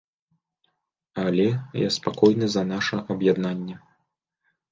Але я спакойны за наша аб'яднанне.